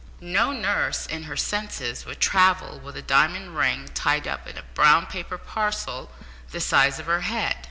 No nurse, in her senses, would travel with a diamond ring tied up in a brown paper parcel the size of her head."